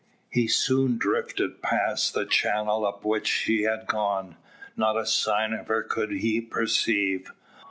He soon drifted past the channel up which she had gone: not a sign of her could he perceive.